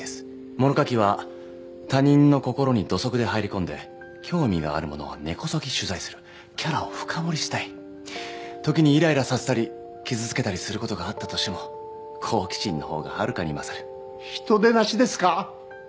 物書きは他人の心に土足で入り込んで興味があるものは根こそぎ取材するキャラを深掘りしたい時にイライラさせたり傷つけたりすることがあったとしても好奇心のほうがはるかに勝る人でなしですか？